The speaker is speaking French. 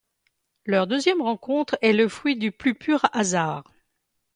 Leur deuxième rencontre est le fruit du plus pur hasard.